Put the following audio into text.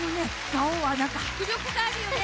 「がおー！」はなんかはくりょくがあるよね。